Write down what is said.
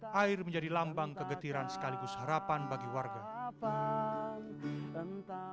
air menjadi lambang kegetiran sekaligus harapan bagi warga